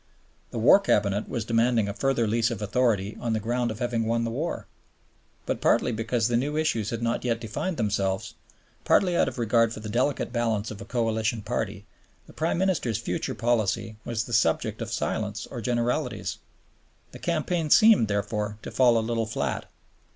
The War Cabinet was demanding a further lease of authority on the ground of having won the war. But partly because the new issues had not yet defined themselves, partly out of regard for the delicate balance of a Coalition Party, the Prime Minister's future policy was the subject of silence or generalities. The campaign seemed, therefore, to fall a little flat.